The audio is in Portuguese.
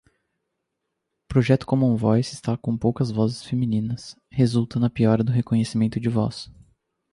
Projeto commonvoice está com poucas vozes femininas, resulta na piora do reconhecimento de voz